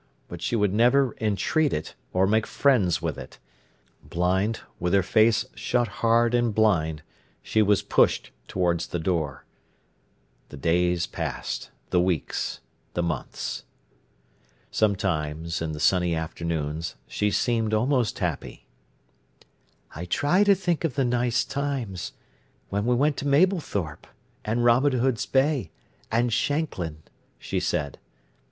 But she would never entreat it or make friends with it. Blind, with her face shut hard and blind, she was pushed towards the door. The days passed, the weeks, the months. Sometimes, in the sunny afternoons, she seemed almost happy. "I try to think of the nice times—when we went to Mablethorpe, and Robin Hood's Bay, and Shanklin," she said.